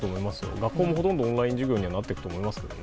学校も、ほとんどオンライン授業にはなっていくと思いますけどね。